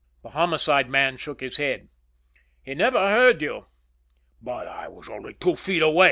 The Homicide man shook his head. "He never heard you." "But I was only two feet away!